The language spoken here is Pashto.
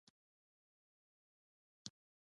دا زموږ ګور دی؟